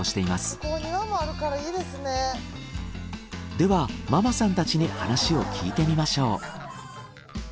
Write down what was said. ではママさんたちに話を聞いてみましょう。